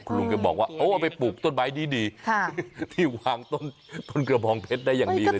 ลุงก็บอกว่าโอ้ไปปลูกต้นไม้ดีที่วางต้นกระบองเพชรได้อย่างดีเลย